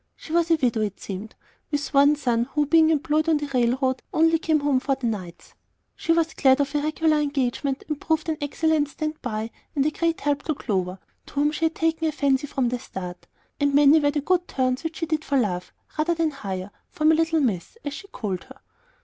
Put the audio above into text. She was a widow, it seemed, with one son, who, being employed on the railroad, only came home for the nights. She was glad of a regular engagement, and proved an excellent stand by and a great help to Clover, to whom she had taken a fancy from the start; and many were the good turns which she did for love rather than hire for "my little Miss," as she called her.